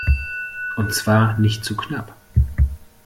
Und zwar nicht zu knapp!